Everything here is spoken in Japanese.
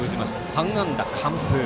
３安打完封。